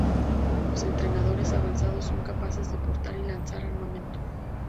Los entrenadores avanzados son capaces de portar y lanzar armamento.